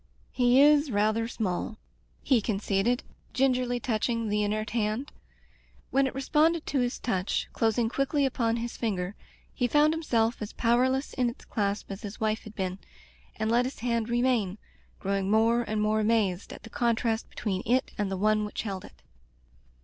"He ts rather small," he conceded, gin gerly touching the inert hand. When it re sponded to his touch, closing quickly upon his finger, he found himself as powerless in its clasp as his wife had been, and let his hand remain, growing more and more amazed at the contrast between it and the one which held it.